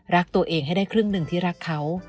รักตัวเองให้ได้ครึ่งหนึ่งที่รักเขา